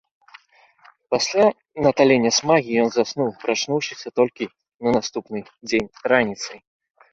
Пасля наталення смагі, ён заснуў, прачнуўшыся толькі на наступны дзень, раніцай.